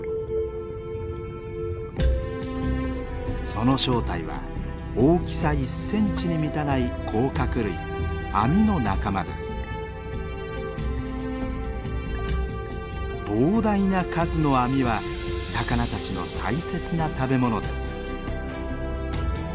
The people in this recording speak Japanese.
その正体は大きさ１センチに満たない甲殻類膨大な数のアミは魚たちの大切な食べ物です。